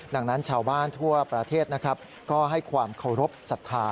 ดังนั้นชาวบ้านทั่วประเทศนะครับก็ให้ความเคารพสัทธา